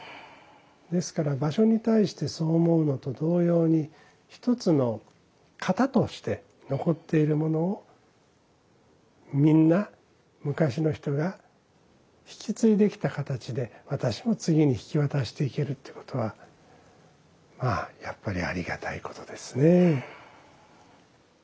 ですから場所に対してそう思うのと同様に一つの型として残っているものをみんな昔の人が引き継いできた形で私も次に引き渡していけるということはまあやっぱりありがたいことですね。